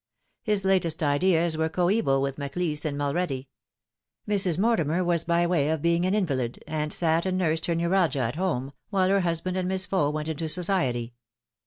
His latest ideas were coeval with Maclise and Mulready. Mrs. Mortimer was by way of being an invalid, and gat and nursed her neuralgia at home, while her husband and Miss Faux went into society.